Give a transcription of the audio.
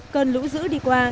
cần lũ dữ đi qua